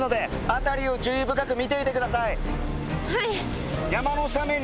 はい！